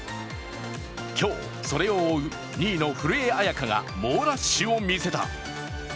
今日、それを追う２位の古江彩佳が猛ラッシュを見せた。